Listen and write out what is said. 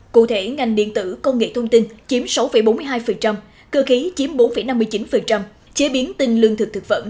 cụ thể ngành điện tử công nghệ thông tin chiếm sáu bốn mươi hai cơ khí chiếm bốn năm mươi chín chế biến tinh lương thực thực phẩm